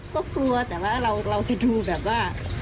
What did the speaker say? ก็กลัวแต่ว่าเราจะดูแบบว่า